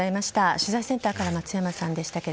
取材センターから松山さんでした。